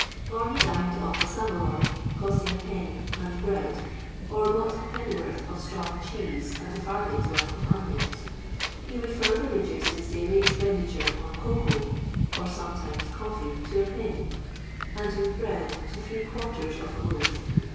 Or he dined off a saveloy, costing Id, and bread ; or bought a pennyworth of strong cheese, and a farthing's worth of onions. He woiHd further reduce his daily expenditure on cocoa (or coffee sometimes) to Id., and his bread to three quarten of a loaf.